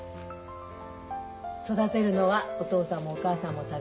育てるのはお父さんもお母さんも楽しかった。